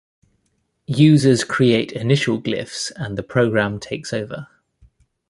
Users create initial glyphs and the program takes over.